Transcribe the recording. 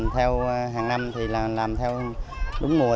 theo hàng năm thì làm theo đúng mùa